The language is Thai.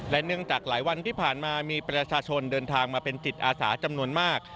เนื่องจากหลายวันที่ผ่านมามีประชาชนเดินทางมาเป็นจิตอาสาจำนวนมาก